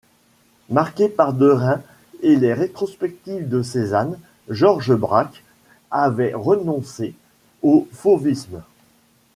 Marqué par Derain et les rétrospectives de Cézanne, Georges Braque avait renoncé au fauvisme.